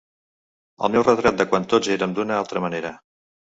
El meu retrat de quan tots érem d'una altra manera.